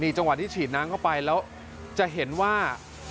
จังหวะที่ฉีดน้ำเข้าไปแล้วจะเห็นว่า